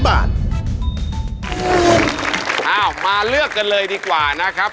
อ้าวมาเลือกกันเลยดีกว่านะครับ